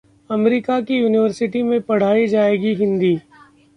America की university में पढ़ाई जाएगी हिंदी